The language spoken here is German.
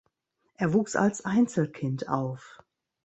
Er wuchs als Einzelkind auf.